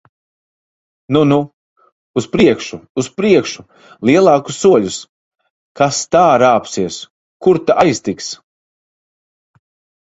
Nu, nu! Uz priekšu! Uz priekšu! Lielākus soļus! Kas tā rāpsies! Kur ta aiztiks!